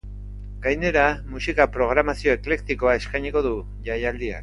Gainera, musika programazio eklektikoa eskainiko du jaialdiak.